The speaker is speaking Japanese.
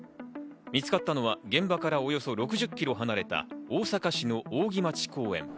見つかったのは現場からおよそ６０ｋｍ離れた大阪市の扇町公園。